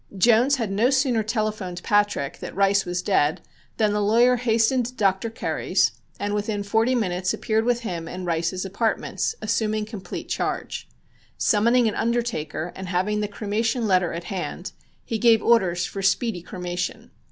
Jones had no sooner telephoned Patrick that Rice was dead than the lawyer hastened to Dr. Curry's, and within forty minutes appeared with him in Rice's apartments, assuming complete charge. Summoning an undertaker and having the cremation letter at hand, he gave orders for speedy cremation.